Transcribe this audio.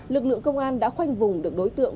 lực lượng công an đã khoanh vùng được đối tượng